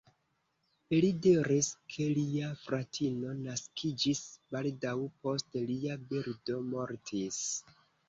Li diris, ke lia fratino naskiĝis baldaŭ post lia birdo mortis.